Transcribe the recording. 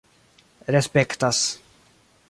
respektas